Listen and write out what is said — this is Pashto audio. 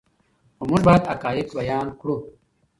خو موږ باید حقایق بیان کړو.